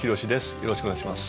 よろしくお願いします。